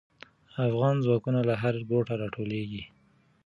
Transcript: افغان ځواکونه له هر ګوټه راټولېږي.